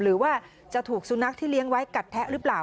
หรือว่าจะถูกสุนัขที่เลี้ยงไว้กัดแทะหรือเปล่า